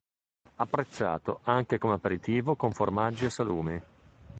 Apprezzato anche come aperitivo con formaggi e salumi.